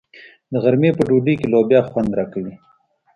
د غرمې په ډوډۍ کې لوبیا خوند راکوي.